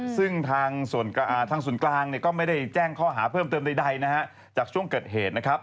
ซึ่งทางศูนย์กลางก็ไม่ได้แจ้งข้อหาเพิ่มเติมใดจากช่วงเกิดเหตุนะครับ